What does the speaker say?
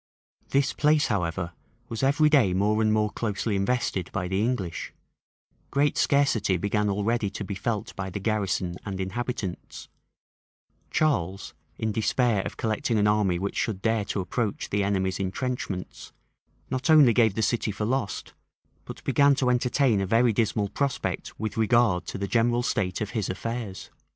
533 This place, however, was every day more and more closely invested by the English: great scarcity began already to be felt by the garrison and inhabitants: Charles, in despair of collecting an army which should dare to approach the enemy's intrenchments, not only gave the city for lost, but began to entertain a very dismal prospect with regard to the general state of his affairs.